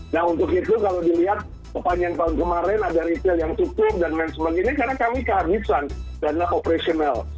nah untuk itu kalau dilihat sepanjang tahun kemarin ada retail yang cukup dan lain sebagainya karena kami kehabisan dana operasional